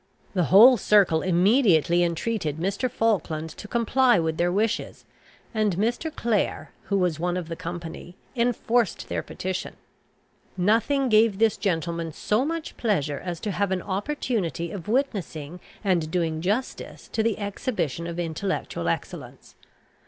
The whole circle immediately entreated Mr. Falkland to comply with their wishes, and Mr. Clare, who was one of the company, enforced their petition. Nothing gave this gentleman so much pleasure as to have an opportunity of witnessing and doing justice to the exhibition of intellectual excellence. Mr.